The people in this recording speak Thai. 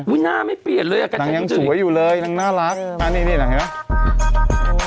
อุ๊ยหน้าไม่เปลี่ยนเลยหนังยังสวยอยู่เลยหนังน่ารักอันนี้หน่างเห็นไหม